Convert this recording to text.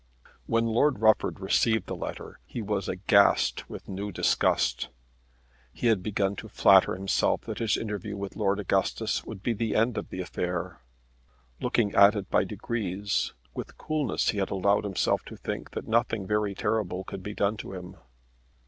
When Lord Rufford received the letter he was aghast with new disgust. He had begun to flatter himself that his interview with Lord Augustus would be the end of the affair. Looking at it by degrees with coolness he had allowed himself to think that nothing very terrible could be done to him.